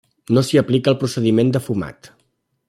No s'hi aplica el procediment de fumat.